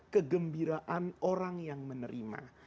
kegembiraan orang yang menerima